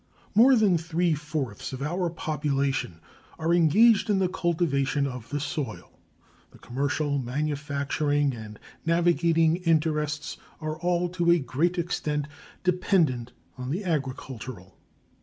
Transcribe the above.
More than three fourths of our population are engaged in the cultivation of the soil. The commercial, manufacturing, and navigating interests are all to a great extent dependent on the agricultural.